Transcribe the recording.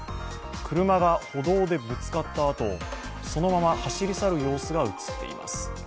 車が歩道でぶつかったあとそのまま走り去る様子が映っています。